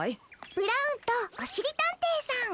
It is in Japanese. ブラウンとおしりたんていさん。